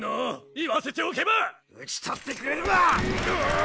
言わせておけば討ち取ってうおぉ！